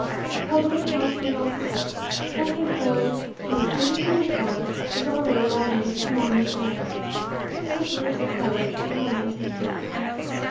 A public house lay opposite, and a boy in a dirty uniform was already lighting its enormous lamp. His lips parted, and he went in.